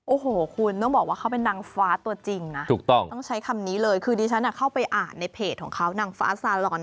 โอ้โหคุณต้องบอกว่าเขาเป็นนางฟ้าตัวจริงนะถูกต้องต้องใช้คำนี้เลยคือดิฉันเข้าไปอ่านในเพจของเขานางฟ้าซาลอน